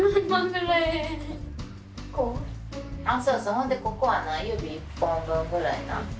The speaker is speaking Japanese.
ほんでここはな指１本分ぐらいな。